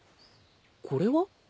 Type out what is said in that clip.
これは？